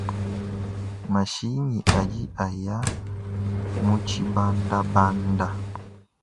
Mashinyi adi aya mu tshibandabanda.